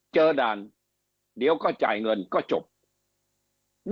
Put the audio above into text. เจอดันเดี๋ยวก็จ่ายเงินก็จบเท่าไหร่